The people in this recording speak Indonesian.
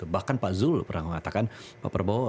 bahkan pak zul pernah mengatakan pak prabowo